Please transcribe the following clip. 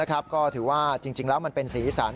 ก็ถือว่าจริงแล้วมันเป็นสีสัน